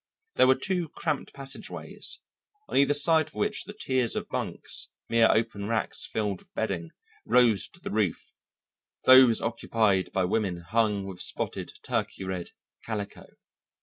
There were two cramped passageways, on either side of which the tiers of bunks, mere open racks filled with bedding, rose to the roof, those occupied by women hung with spotted turkey red calico.